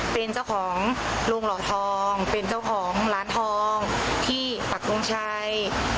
เป็นเจ้าของโรงหล่อทองเป็นเจ้าของร้านทองที่ปักทงชัย